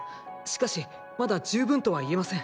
しかしまだ十分とは言えません。